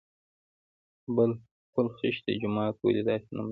پل خشتي جومات ولې داسې نوم لري؟